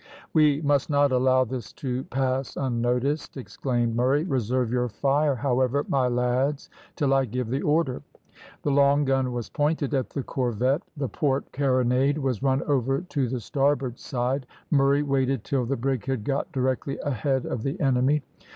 "We must not allow this to pass unnoticed," exclaimed Murray. "Reserve your fire, however, my lads, till I give the order." The long gun was pointed at the corvette, the port carronade was run over to the starboard side. Murray waited till the brig had got directly ahead of the enemy.